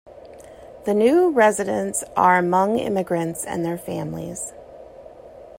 The new residents are Hmong immigrants and their families.